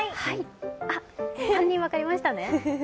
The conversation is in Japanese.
３人分かりましたね。